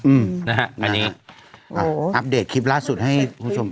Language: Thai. อุปเดตคลิปล่าสสุดให้คุณผู้ชม